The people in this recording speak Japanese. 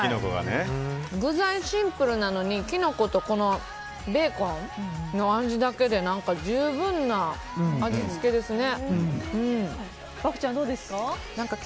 具材シンプルなのにキノコとベーコンの味だけで十分な味付けですね。